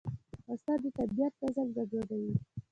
وسله د طبیعت نظم ګډوډوي